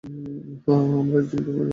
হ্যাঁ, আমার একজন বয়ফ্রেন্ড আছে।